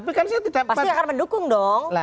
pasti akan mendukung dong